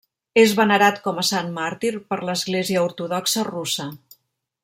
És venerat com a sant màrtir per l'Església Ortodoxa Russa.